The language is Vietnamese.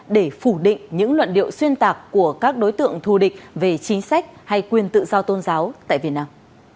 để phủ định những luận điệu xuyên tạc của các đối tượng thù địch về chính sách hay quyền tự do tôn giáo tại việt nam